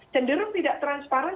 cenderung tidak transparan